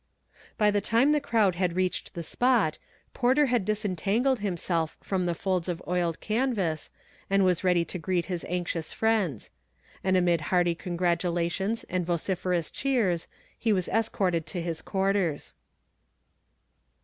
By the time the crowd had reached the spot, Porter had disentangled himself from the folds of oiled canvas, and was ready to greet his anxious friends; and amid hearty congratulations and vociferous cheers, he was escorted to his quarters.